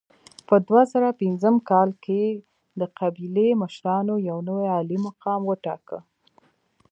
په دوه زره پنځم کال کې د قبیلې مشرانو یو نوی عالي مقام وټاکه.